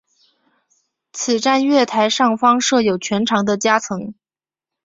此站月台上方设有全长的夹层。